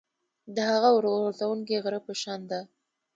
د هغه اور غورځوونکي غره په شان ده.